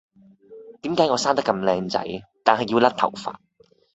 點解我生得咁靚仔，但係要甩頭髮